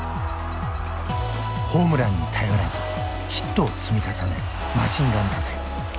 ホームランに頼らずヒットを積み重ねるマシンガン打線。